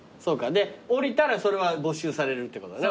で降りたらそれは没収されるってことね。